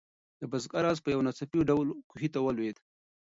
د بزګر آس په یو ناڅاپي ډول کوهي ته ولوېد.